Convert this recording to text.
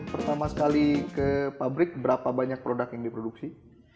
pertama sekali ke pabrik berapa banyak produk yang diproduksi